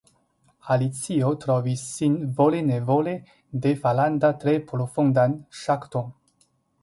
Alicio trovis sin vole nevole defalanta tre profundan ŝakton.